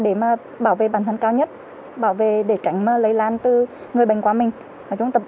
để mà bảo vệ bản thân cao nhất bảo vệ để tránh lây lan từ người bệnh quả mình